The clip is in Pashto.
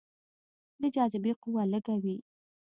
د جاذبې قوه لږه وي.